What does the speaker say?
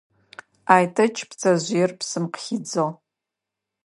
Айтэч пцэжъыер псым къыхидзыгъ.